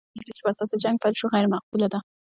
هغه پالیسي چې په اساس یې جنګ پیل شو غیر معقوله ده.